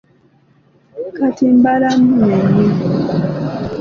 Kati mbala mmunyeenye.